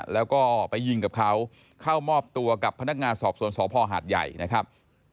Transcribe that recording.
แล้วก็ไปยิงกับเขาเข้ามอบตัวกับพนักงานสอบสวนสพหาดใหญ่นะครับ